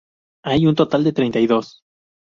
Hay un total de treinta y dos.